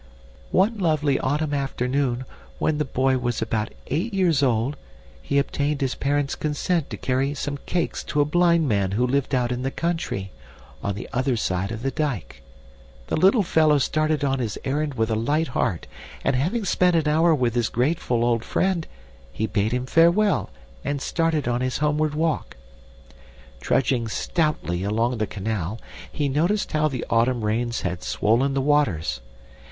"One lovely autumn afternoon, when the boy was about eight years old, he obtained his parents' consent to carry some cakes to a blind man who lived out in the country, on the other side of the dike. The little fellow started on his errand with a light heart, and having spent an hour with his grateful old friend, he bade him farewell and started on his homeward walk. "Trudging stoutly along the canal, he noticed how the autumn rains had swollen the waters.